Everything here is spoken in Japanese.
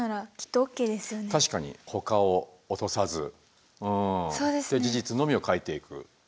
確かにほかを落とさずで事実のみを書いていく。